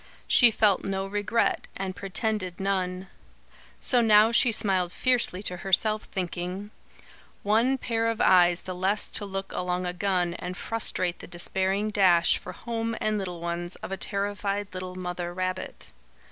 She felt no regret, and pretended none. So now she smiled fiercely to herself, thinking: "One pair of eyes the less to look along a gun and frustrate the despairing dash for home and little ones of a terrified little mother rabbit.